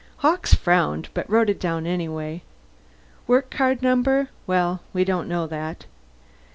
Hawkes frowned, but wrote it down that way. "Work card number well, we don't know that.